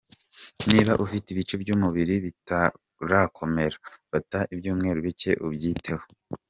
Niba ufite ibice by’umubiri bitarakomera, fata ibyumweru bike ubyiteho.